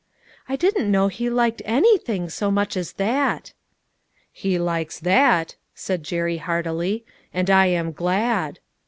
" I didn't know he liked any thing so much as that." " He likes that" said Jerry heartily, " and I am glad."